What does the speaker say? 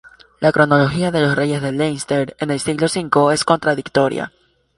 La cronología de los reyes de Leinster en el siglo V es contradictoria.